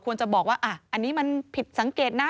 จะบอกว่าอันนี้มันผิดสังเกตนะ